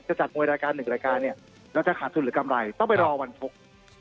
จะจัดมวยรายการ๑รายการแล้วจะขาดสุดหรือกำไรต้องไปรอวันชก